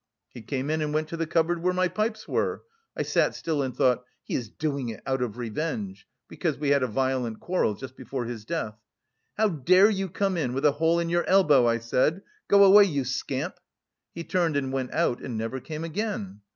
He came in and went to the cupboard where my pipes were. I sat still and thought 'he is doing it out of revenge,' because we had a violent quarrel just before his death. 'How dare you come in with a hole in your elbow?' I said. 'Go away, you scamp!' He turned and went out, and never came again.